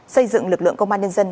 xây dựng lực lượng công an nhân dân